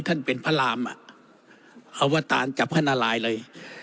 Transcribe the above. ท่านเป็นพระรามอะเอาวธานจากคณะลายเลย